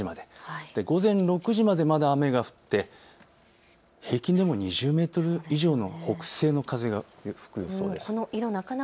そして午前６時までまだ雨が降って平均でも２０メートル以上の北西の風が吹く予想です。